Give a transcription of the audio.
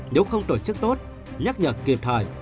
nếu không tổ chức tốt nhắc nhật kịp thời